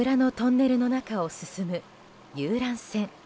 桜のトンネルの中を進む遊覧船。